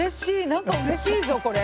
何かうれしいぞこれ。